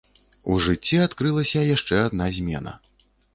У жыцці адкрылася яшчэ адна змена.